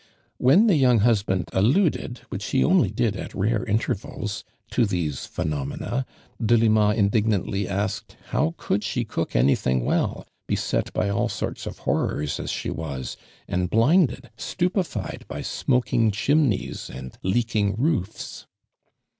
When the young hunband alluded, which he only did at mro mtcrvals to these phenomena, Delima indig nantly asked how could she cook anything well, beset by all sorts of horrors an she was, and blinded, stupoHeU by smoking chim Bevs and leaking roofs.